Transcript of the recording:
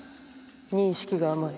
認識が甘い。